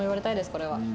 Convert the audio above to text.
これは。